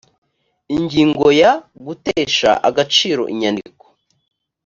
ingingo ya gutesha agaciro inyandiko